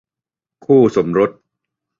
คู่สมรส